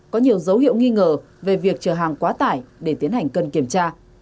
có nhiều dấu hiệu nghi ngờ về việc chở hàng quá tải để tiến hành cân kiểm tra